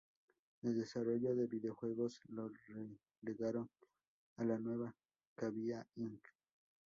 El desarrolló de videojuegos lo relegaron a la nueva Cavia inc.